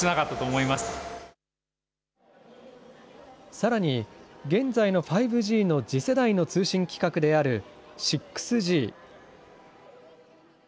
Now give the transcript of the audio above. さらに、現在の５Ｇの次世代の通信規格である６Ｇ。